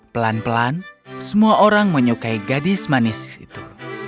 pelan pelan semua orang menyukai gadis manis itu